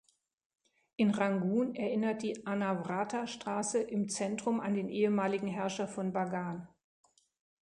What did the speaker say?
In Rangun erinnert die "Anawrahta-Straße" im Zentrum an den ehemaligen Herrscher von Bagan.